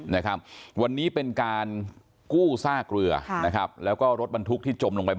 และวันนี้เป็นการกู้ซากเรือและรถบรรทุกที่จบลงไป